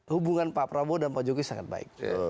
hubungan pak prabowo dan pak jokowi sangat baik